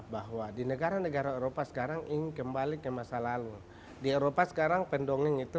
bahwa di negara negara eropa sekarang ingin kembali ke masa lalu di eropa sekarang pendongeng itu